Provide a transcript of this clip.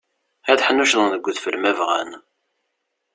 Ad ḥnuccḍen deg udfel ma bɣan.